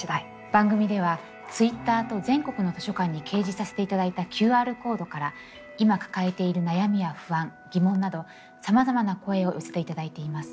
番組ではＴｗｉｔｔｅｒと全国の図書館に掲示させていただいたＱＲコードから今抱えている悩みや不安疑問などさまざまな声を寄せていただいています。